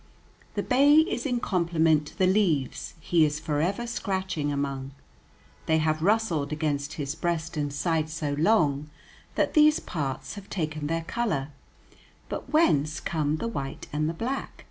The bay is in compliment to the leaves he is forever scratching among, they have rustled against his breast and sides so long that these parts have taken their color; but whence come the white and the black?